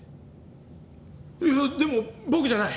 いやでも僕じゃない！